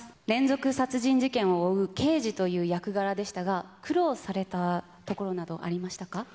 連続殺人事件を追う刑事という役柄でしたが、苦労されたところなどありましたか？